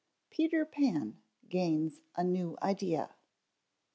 _Peter Pan Gains a New Idea.